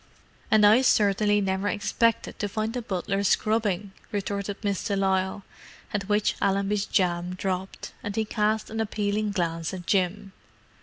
"And I certainly never expected to find the butler scrubbing!" retorted Miss de Lisle; at which Allenby's jaw dropped, and he cast an appealing glance at Jim.